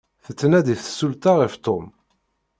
Tettnadi tsulta ɣef Tom.